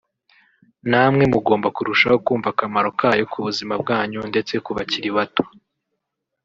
namwe mugomba kurushaho kumva akamaro kayo ku buzima bwanyu ndetse ku bakiri bato